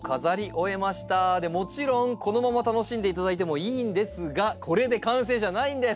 でもちろんこのまま楽しんでいただいてもいいんですがこれで完成じゃないんです。